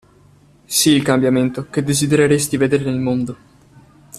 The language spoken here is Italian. Sii il cambiamento che desidereresti vedere nel mondo.